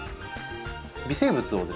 微生物をですね